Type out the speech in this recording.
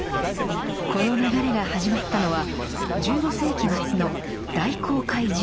この流れが始まったのは１５世紀末の大航海時代。